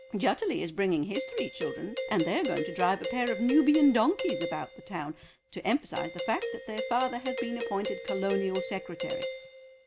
Jutterly is bringing his three children, and they are going to drive a pair of Nubian donkeys about the town, to emphasise the fact that their father has been appointed Colonial Secretary.